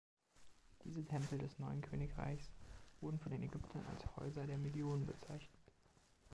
Diese Tempel des Neuen Königreichs wurden von den Ägyptern als „Häuser der Millionen“ bezeichnet.